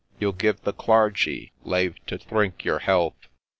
Ye'll give the Clargy lave to dhrink your health